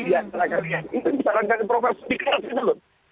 ini sarankan profesor dikrat